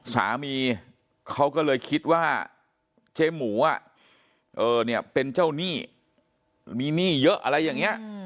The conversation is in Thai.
สามีเขาก็เลยคิดว่าเจ๊หมูเนี่ยเป็นเจ้าหนี้มีหนี้เยอะอะไรอย่างนี้